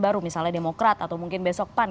baru misalnya demokrat atau mungkin besokpan